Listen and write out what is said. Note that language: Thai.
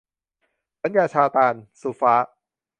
สัญญาซาตาน - สุฟ้า